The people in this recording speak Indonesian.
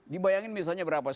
dibayangin misalnya berapa